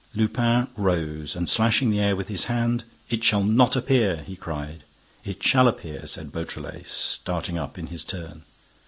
Lupin rose, and slashing the air with his hand, "It shall not appear!" he cried. "It shall appear!" said Beautrelet, starting up in his turn.